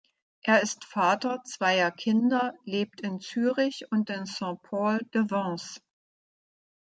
Er ist Vater zweier Kinder, lebt in Zürich und in Saint-Paul de Vence.